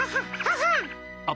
あ。